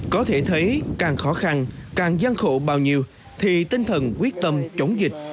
có thể thấy càng khó khăn càng gian khổ bao nhiêu thì tinh thần quyết tâm chống dịch